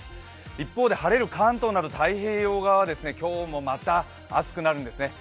一方で晴れる関東など太平洋側は今日もまた暑くなるんですね。